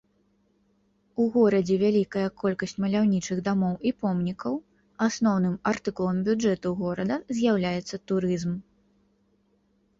У горадзе вялікая колькасць маляўнічых дамоў і помнікаў, асноўным артыкулам бюджэту горада з'яўляецца турызм.